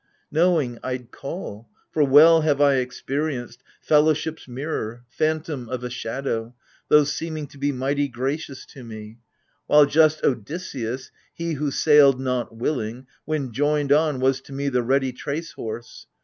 Knowing, I'd call (for well have I experienced) " Fellowship's mirror," " phantom of a shadow," Those seeming to be mighty gracious to me : While just Odusseus — he who sailed not willing — When joined on, was to me the ready trace horse.